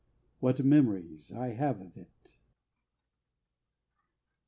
What memories ... have I of it!